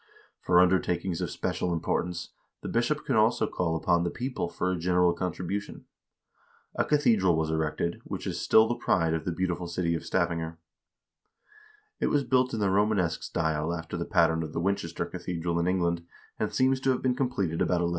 For undertakings of special importance the bishop could also call upon the people for a general contribution. A cathedral was erected, which is still the pride of the beautiful city of Stavanger. It was built in the Romanesque style after the pattern of the Winchester cathedral in England, and seems to have been completed about 1150.